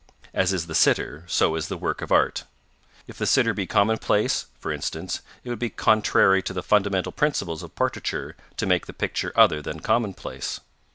As is the sitter, so is the work of art. If the sitter be commonplace, for instance, it would be 'contrary to the fundamental principles of portraiture to make the picture other than commonplace.'